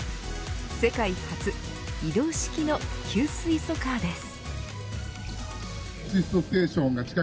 世界初移動式の給水素カーです。